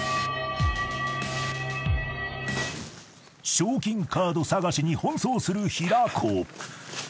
［賞金カード探しに奔走する平子］